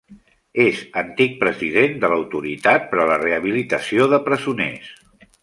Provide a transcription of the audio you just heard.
És antic president de l'Autoritat per a la Rehabilitació de Presoners.